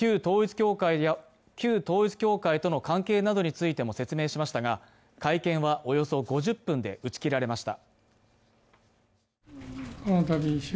旧統一教会との関係などについても説明しましたが、会見はおよそ５０分で打ち切られました。